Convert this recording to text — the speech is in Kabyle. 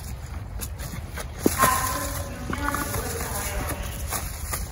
Aɛekkaz yugi ad yewwet Tehriruc.